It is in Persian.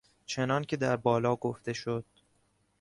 چنانکه در بالا گفته شد